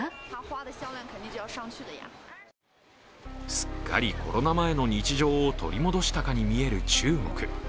すっかりコロナ前の日常を取り戻したかに見える中国。